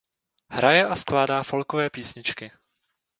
Hraje a skládá folkové písničky.